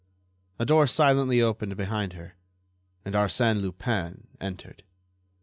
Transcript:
A door silently opened behind her and Arsène Lupin entered.